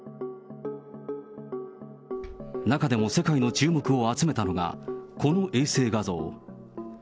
中でも世界の注目を集めたのが、この衛星画像。